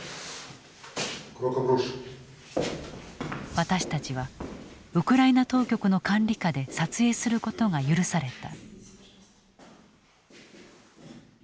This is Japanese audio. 私たちはウクライナ当局の管理下で撮影することが許された。